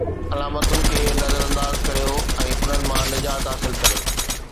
علامتن کي نظر انداز ڪريو ۽ انھن مان نجات حاصل ڪريو